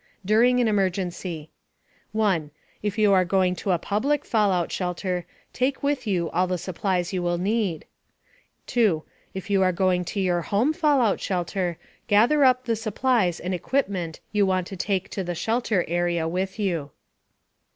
DURING AN EMERGENCY 1. If you are going to a public fallout shelter, take with you the supplies you will need. 2. If you are going to your home fallout shelter, gather up the supplies and equipment you want to take to the shelter area with you.